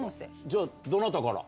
じゃどなたから？